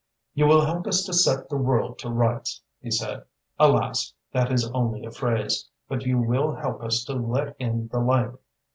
"You will help us to set the world to rights," he said. "Alas! that is only a phrase, but you will help us to let in the light.